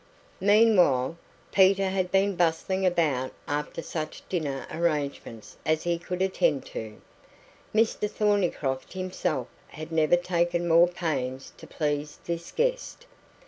Meanwhile, Peter had been bustling about after such dinner arrangements as he could attend to. Mr Thornycroft himself had never taken more pains to please this guest.